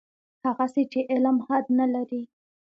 هغسې چې علم حد نه لري.